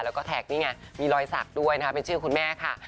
แล้วก็แท็กนี่ไงมีรอยสักด้วยนะคะเป็นชื่อคุณแม่ค่ะ